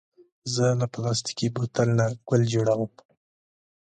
زه له پلاستيکي بوتل نه ګل جوړوم.